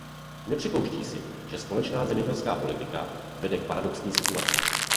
Nepřipouští si, že společná zemědělská politika vede k paradoxní situaci.